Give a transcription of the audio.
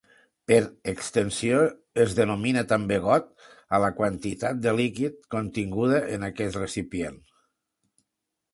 Per extensió es denomina també got a la quantitat de líquid continguda en aquest recipient.